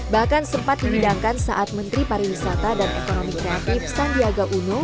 bahkan sempat dihidangkan saat menteri pariwisata dan ekonomi kreatif sandiaga uno